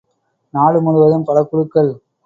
நாடு முழுவதும் பல குழுக்கள்!